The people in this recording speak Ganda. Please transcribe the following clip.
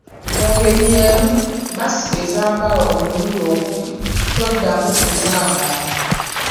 Mu ngeri y’emu masiki ezambalwa omulundi ogumu, toddamu kuzambala.